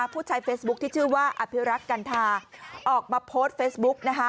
ผู้ใช้เฟซบุ๊คที่ชื่อว่าอภิรักษ์กันทาออกมาโพสต์เฟซบุ๊กนะคะ